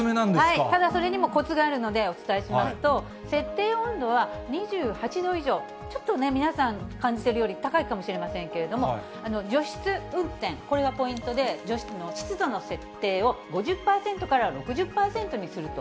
ただ、それにもコツがあるので、お伝えしますと、設定温度は２８度以上、ちょっと皆さん、感じてるより高いかもしれませんけれども、除湿運転、これがポイントで、湿度の設定を５０％から６０％にすると。